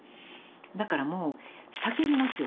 だからもう叫びますよね。